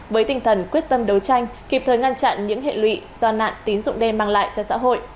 với tinh thần quyết tâm đấu tranh kịp thời ngăn chặn những hệ lụy do nạn tín dụng đen mang lại cho xã hội